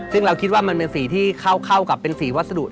ซึ่งเราคิดว่ามันเป็นสีที่เข้ากับเป็นสีวัสดุ